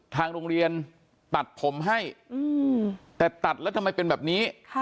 ทางโรงเรียนตัดผมให้